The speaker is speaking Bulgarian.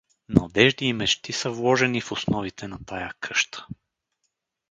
Надежди и мечти са вложени в основите на тая къща.